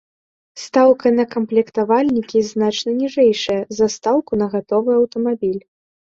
Стаўка на камплектавальнікі значна ніжэйшая за стаўку на гатовы аўтамабіль.